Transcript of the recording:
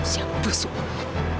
siapa suara ini